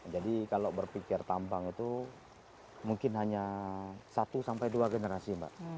jadi kalau berpikir tambang itu mungkin hanya satu sampai dua generasi mbak